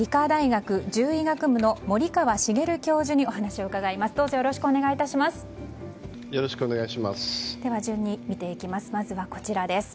学部の森川茂教授にお話を伺います。